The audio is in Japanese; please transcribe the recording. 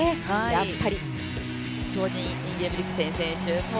やっぱり超人インゲブリクセン選手。